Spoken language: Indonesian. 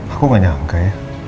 aku gak nyangka ya